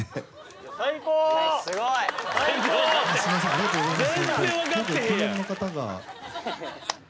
ありがとうございます